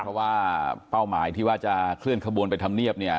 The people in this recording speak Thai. เพราะว่าเป้าหมายที่ว่าจะเคลื่อนขบวนไปทำเนียบเนี่ย